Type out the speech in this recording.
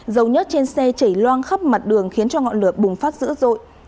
dầu nhất trên xe chảy loang khắp mặt đường khiến cho ngọn lửa bùng phát dữ dội